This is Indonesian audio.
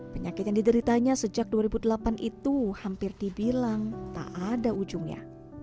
penyakit yang dideritanya sejak dua ribu delapan itu hampir dibilang tak ada ujungnya